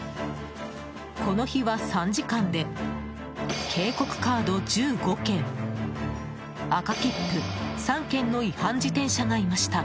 この日は、３時間で警告カード１５件赤切符３件の違反自転車がいました。